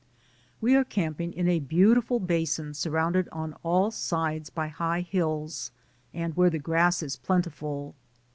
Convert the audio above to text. We are camping in a beautiful basin sur rounded on all sides by high hills, and where the grass is plentiful.